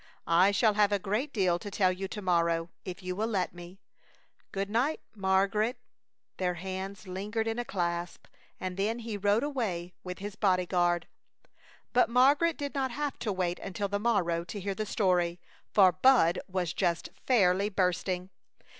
I shall have a great deal to tell you to morrow if you will let me. Good night, Margaret!" Their hands lingered in a clasp, and then he rode away with his bodyguard. But Margaret did not have to wait until the morrow to hear the story, for Bud was just fairly bursting.